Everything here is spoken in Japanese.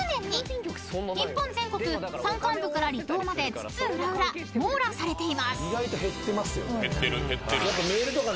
［日本全国山間部から離島まで津々浦々網羅されています］